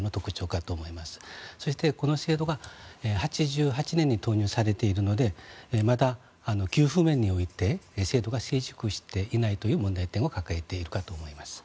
そして、この制度が８８年に導入されているのでまた、給付面において制度が充実していない点を抱えているかと思います。